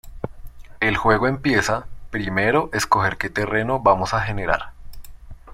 El juego empieza, primero escoger que terreno vamos a generar.